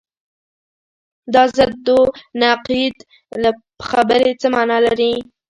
دا ضد و نقیض خبرې څه معنی لري؟